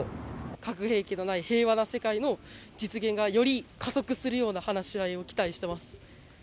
核兵器のない平和な世界の実現がより加速するような話し合いを期待しています。